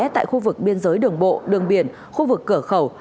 tại khu vực biên giới đường bộ đường biển khu vực cửa khẩu